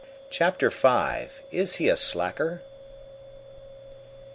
Chapter V "Is He a Slacker?"